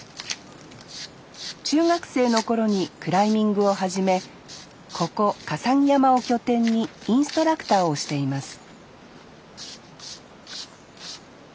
中学生の頃にクライミングを始めここ笠置山を拠点にインストラクターをしています